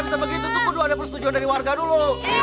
lu enggak bisa begitu tuh kudu ada persetujuan dari warga dulu